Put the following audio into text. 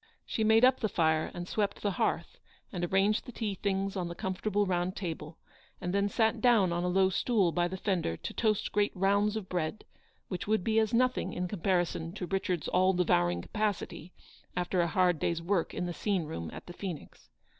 She made up the fire and swept the hearth, and arranged the tea things on the comfortable round table, and then sat down on a low stool by the fender to toast great rounds of bread, which would be as nothing in comparison to Richard's all devouring capacity after a hard day's work in the scene room at the Phoenix.